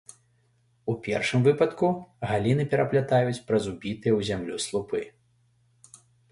У першым выпадку галіны пераплятаюць праз убітыя ў зямлю слупы.